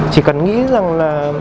chỉ cần nghĩ rằng là